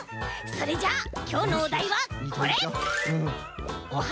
それじゃあきょうのおだいはこれ！